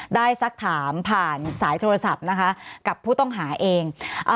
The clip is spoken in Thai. สักถามผ่านสายโทรศัพท์นะคะกับผู้ต้องหาเอง